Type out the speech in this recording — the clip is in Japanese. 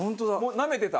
なめてた。